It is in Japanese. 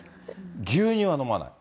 牛乳は飲まない。